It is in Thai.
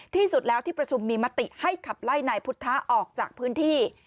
ที่สุดแล้วที่ประชุมมีมติให้ขับไล่นายพุทธะออกจากพื้นที่